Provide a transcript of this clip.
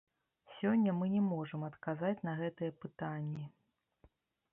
Сёння мы не можам адказаць на гэтыя пытанні.